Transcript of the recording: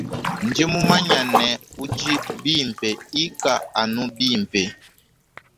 Ndi mumanye ne udi bimpe ika anu bimpe.